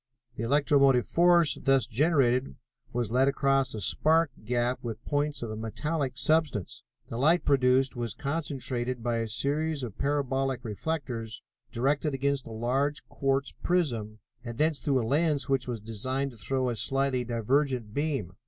The electromotive force thus generated was led across a spark gap with points of a metallic substance. The light produced was concentrated by a series of parabolic reflectors, directed against a large quartz prism, and thence through a lens which was designed to throw a slightly divergent beam.